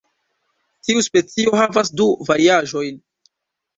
Tiu specio havas du variaĵojn.